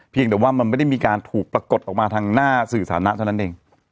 เพียงแต่ว่ามันไม่ได้มีการถูกปรากฏออกมาทางหน้าสื่อสาระเท่านั้นเอง